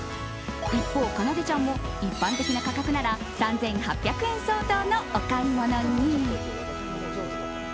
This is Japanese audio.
一方、かなでちゃんも一般的な価格なら３８００円相当のお買い物に。